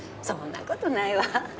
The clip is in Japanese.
そんなことないわ。